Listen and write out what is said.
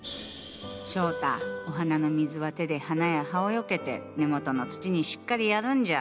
翔太お花の水は手で花や葉をよけて根元の土にしっかりやるんじゃ。